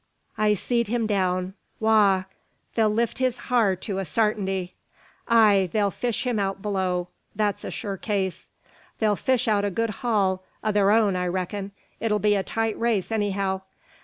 I seed him down. Wagh! They'll lift his har to a sartinty." "Ay, they'll fish him out below. That's a sure case." "They'll fish out a good haul o' thur own, I reckin. It'll be a tight race, anyhow.